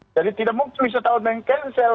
jadi tidak mungkin bisa tahun meng cancel